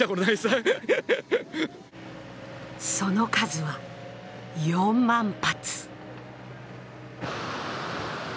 その数は４万発。